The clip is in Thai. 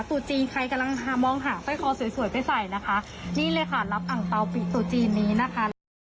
ตูจีนใครกำลังหามองหาสร้อยคอสวยสวยไปใส่นะคะนี่เลยค่ะรับอังเตาปิโตจีนนี้นะคะแล้วก็